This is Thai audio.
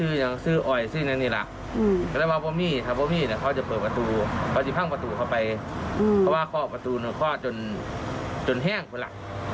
เอ้าเอาไปลองฟังเสียงเขาเล่าหน่อยฮะ